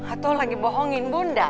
atau lagi bohongin bunda